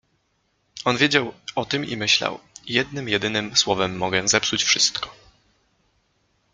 On wiedział o tym i myślał: — Jednym jedynym słowem mogę zepsuć wszystko.